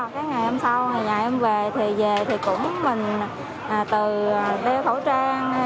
cái ngày hôm sau ngày hôm về thì về thì cũng mình từ đeo khẩu trang